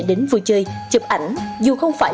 đến vui chơi chụp ảnh dù không phải